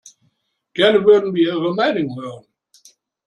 Gerne würden wir Ihre Meinung hören.